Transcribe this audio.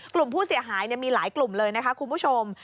กลุ่มผู้เสียหายมีหลายกลุ่มเลยนะคะคุณผู้ชม